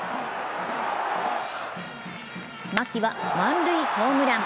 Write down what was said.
牧は満塁ホームラン。